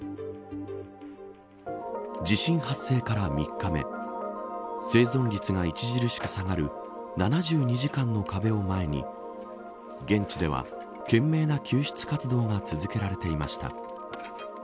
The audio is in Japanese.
地震発生から３日目生存率が著しく下がる７２時間の壁を前に現地では、懸命な救出活動が続けられていました。